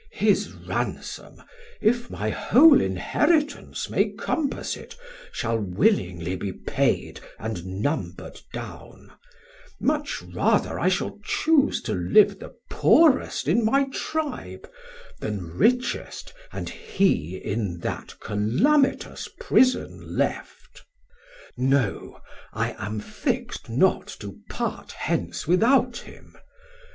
Man: His ransom, if my whole inheritance May compass it, shall willingly be paid And numberd down: much rather I shall chuse To live the poorest in my Tribe, then richest, And he in that calamitous prison left. 1480 No, I am fixt not to part hence without him.